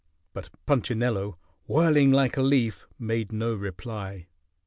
_] But Punchinello, whirling like a leaf, made no reply.